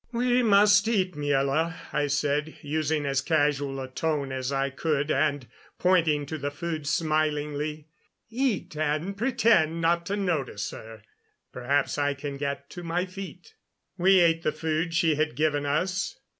"We must eat, Miela," I said, using as casual a tone as I could and pointing to the food smilingly. "Eat, and pretend not to notice her. Perhaps I can get to my feet." We ate the food she had given us.